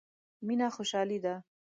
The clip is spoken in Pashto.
مينه خوشالي ده.